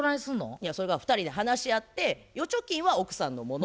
いやそれが２人で話し合って預貯金は奥さんのもの